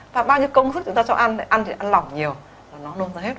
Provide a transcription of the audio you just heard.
và bao nhiêu công sức chúng ta cho ăn ăn thì ăn lỏng nhiều nó nôn ra hết